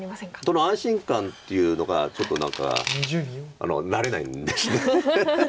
その安心感っていうのがちょっと何か慣れないんですよね。